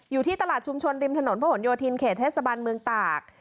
อยู่ที่ตลาดชุมชนริมถนนพระหลโยธินเขตเทศบันเมืองตาก